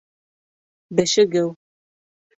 Бешегеү